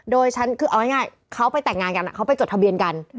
โดยฉันคือเอาง่ายเขาไปแต่งงานกันเขาไปจดทะเบียนกัน